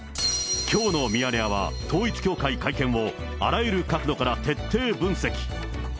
きょうのミヤネ屋は、統一教会会見を、あらゆる角度から徹底分析。